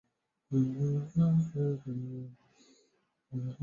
马自达先驱是一款由日本马自达公司开发的概念车。